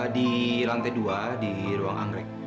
di lantai dua di ruang anggrek